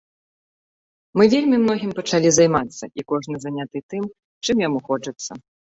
Мы вельмі многім пачалі займацца, і кожны заняты тым, чым яму хочацца.